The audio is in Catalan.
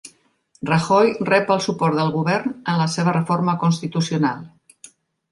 Rajoy rep el suport del govern en la seva reforma constitucional